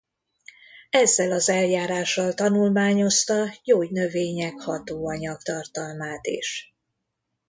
Ezzel az eljárással tanulmányozta gyógynövények hatóanyag tartalmát is.